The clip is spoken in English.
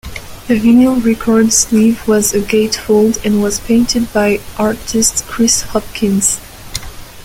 The vinyl record sleeve was a gate-fold and was painted by artist Chris Hopkins.